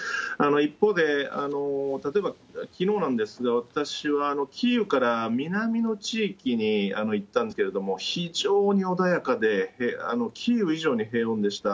一方で、例えばきのうなんですが、私はキーウから南の地域に行ったんですけれども、非常に穏やかで、キーウ以上に平穏でした。